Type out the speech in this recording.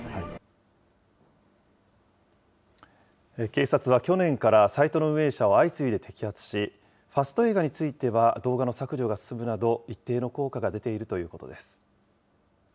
警察は去年からサイトの運営者を相次いで摘発し、ファスト映画については動画の削除が進むなど、一定の効果が出ているということです。